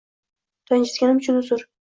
Ranjitganim uchun uzr.